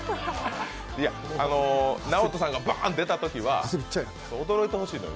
ナオトさんがバンと出たときは、驚いてほしいのよ。